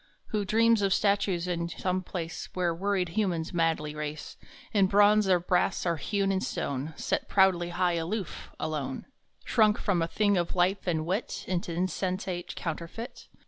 Who dreams of statues in some place Where worried humans madly race, In bronze or brass, or hewn in stone, Set proudly high, aloof, alone Shrunk from a thing of life and wit Into insensate counterfeit?